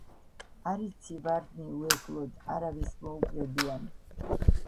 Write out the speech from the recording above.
არ იცი ვარდნი უეკლოდ არავის მოუკრებიან